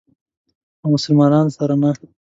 او مسلمانانو سره نه.